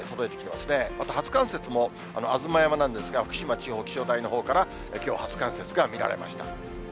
また初冠雪も吾妻山なんですが、福島地方気象台のほうから、きょう初冠雪が見られました。